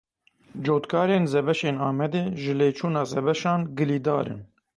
Cotkarên zebeşên Amedê ji lêçûna zebeşan gilîdar in.